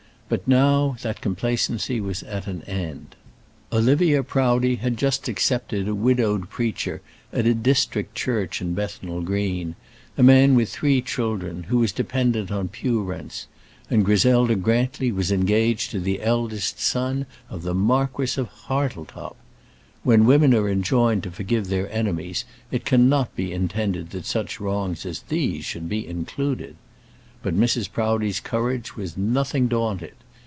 But now that complacency was at an end. Olivia Proudie had just accepted a widowed preacher at a district church in Bethnal Green, a man with three children, who was dependent on pew rents; and Griselda Grantly was engaged to the eldest son of the Marquis of Hartletop! When women are enjoined to forgive their enemies it cannot be intended that such wrongs as these should be included. But Mrs. Proudie's courage was nothing daunted.